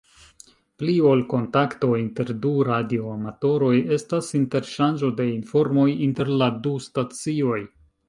Pli ol kontakto inter du radioamatoroj estas interŝanĝo de informoj inter la du stacioj.